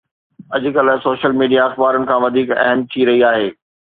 اڄڪلهه social media اخبارن کان وڌيڪ اهم ٿي رهي آهي